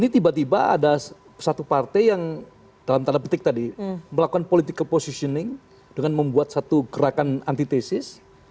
tiba tiba ada satu partai yang dalam tanda petik tadi melakukan political positioning dengan membuat satu gerakan antitesis